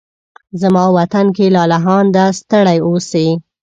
زما وطن کې لالهانده ستړي اوسې